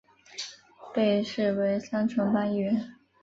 被视为三重帮一员。